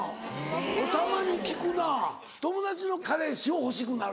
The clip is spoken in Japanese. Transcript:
俺たまに聞くな友達の彼氏を欲しくなる。